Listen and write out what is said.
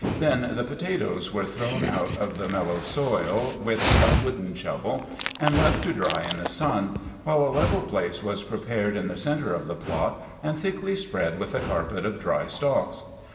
Then the potatoes were thrown out of the mellow soil with a wooden shovel, and left to dry in the sun, while a level place was prepared in the center of the plot, and thickly spread with a carpet of dry stalks.